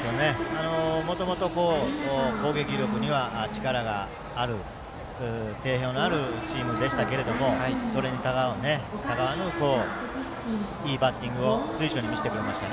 もともと攻撃力には定評のあるチームでしたがそれにたがわぬいいバッティングを随所に見せてくれました。